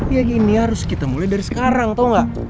ya gini harus kita mulai dari sekarang tau gak